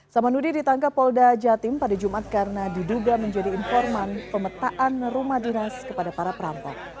samanudi ditangkap polda jatim pada jumat karena diduga menjadi informan pemetaan rumah dinas kepada para perampok